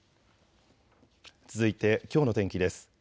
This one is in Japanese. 続いて、きょうの天気です。